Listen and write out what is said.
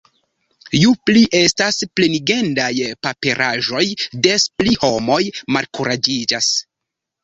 Ju pli estas plenigendaj paperaĵoj, des pli homoj malkuraĝiĝas.